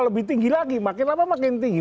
lebih tinggi lagi makin lama makin tinggi